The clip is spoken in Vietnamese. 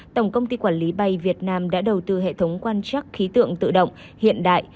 tổng công ty quản lý bay việt nam đã đầu tư hệ thống quan trắc khí tượng tự động hiện đại